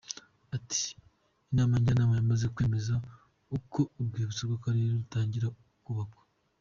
Ati “Inama njyanama yamaze kwemeza ko urwibutso rw’akarere rutangira kubakwa.